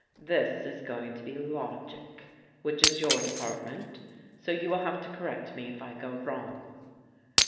This is going to be logic, which is your department, so you will have to correct me, if I go wrong.